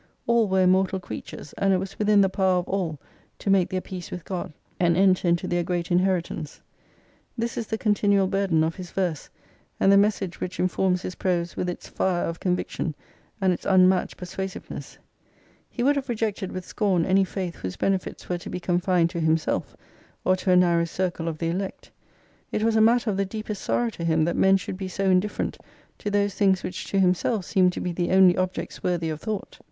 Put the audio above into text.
All were immortal creatures, and it was within the power of all to make their peace with God, and enter into their great inheritance. This is the continual burden of his verse, and the message which informs his prose with its fire of conviction, and its unmatched persuasiveness. He would have rejected with scorn any faith whose benefits were to be confined to himself, or to a narrow circle of the elect. It was a matter of the deepest sorrow to him that men should be so indifferent to those things which to himself seemed to be the only objects worthy of thought.